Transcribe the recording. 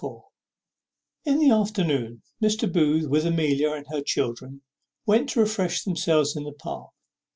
_ In the afternoon Mr. Booth, with Amelia and her children, went to refresh themselves in the Park.